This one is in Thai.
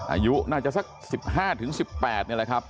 อายุน่าจะสักสิบห้าถึงสิบแปดนี่แหละครับ